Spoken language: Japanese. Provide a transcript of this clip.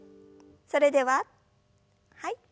それでははい。